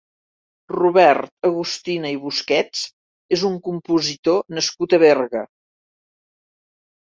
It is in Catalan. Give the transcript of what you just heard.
Robert Agustina i Busquets és un compositor nascut a Berga.